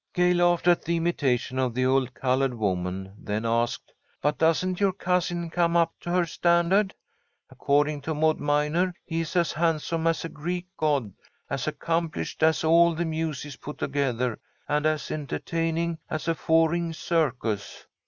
Gay laughed at the imitation of the old coloured woman, then asked: "But doesn't your cousin come up to her standard? According to Maud Minor he is as handsome as a Greek god, as accomplished as all the Muses put together, and as entertaining as a four ring circus."